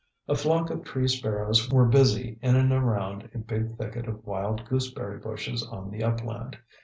A flock of tree sparrows were busy in and around a big thicket of wild gooseberry bushes on the upland.